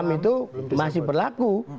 itu masih berlaku